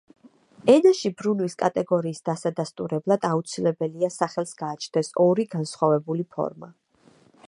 ენაში ბრუნვის კატეგორიის დასადასტურებლად აუცილებელია სახელს გააჩნდეს ორი განსხვავებული ფორმა.